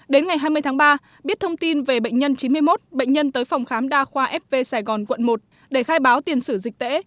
đến ngày hai mươi tháng ba biết thông tin về bệnh nhân chín mươi một bệnh nhân tới phòng khám đa khoa fv sài gòn quận một để khai báo tiền sử dịch tễ